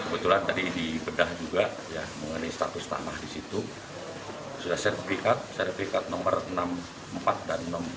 betulan tadi di bedah juga ya mengenai status tanah disitu sudah serpikat serpikat nomor enam puluh empat dan